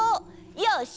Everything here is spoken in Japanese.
よし！